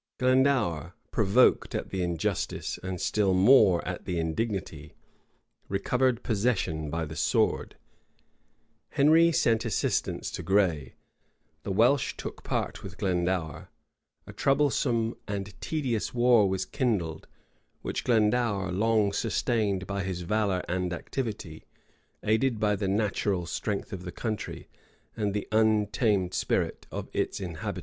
[] Glendour, provoked at the injustice, and still more at the indignity, recovered possession by the sword; [] Henry sent assistance to Gray; [] the Welsh took part with Glendour: a troublesome and tedious war was kindled, which Glendour long sustained by his valor and activity, aided by the natural strength of the country, and the untamed spirit of its inhabitants.